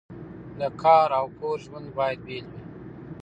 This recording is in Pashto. د کار او کور ژوند باید بیل وي.